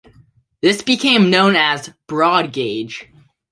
This became known as "broad gauge".